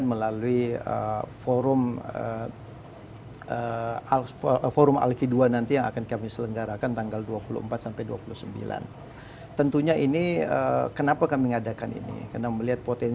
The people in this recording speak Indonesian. merasa perlu untuk dilakukan